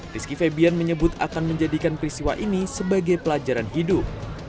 rizky febian menyebut akan menjadikan peristiwa ini sebagai pelajaran hidup